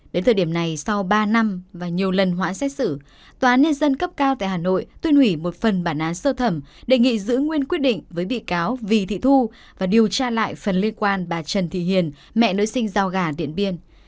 đến thời điểm này sau ba năm và nhiều lần hoãn xét xử tòa án nhân dân cấp cao tại hà nội tuyên hủy một phần bản án sơ thẩm đề nghị giữ nguyên quyết định với bị cáo vì thị thu và điều tra lại phần liên quan bà trần thị hiền mẹ nữ sinh giao gà điện biên